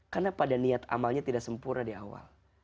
karena pada niat amalnya tidak sempurna di awal